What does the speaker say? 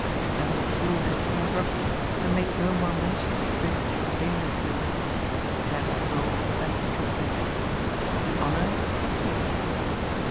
Then the two left him abruptly and made no more mention of bridge or Dangerfield. Trent rolled on the bed chuckling. The honors were his.